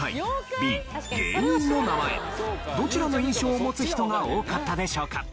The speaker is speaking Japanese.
どちらの印象を持つ人が多かったでしょうか？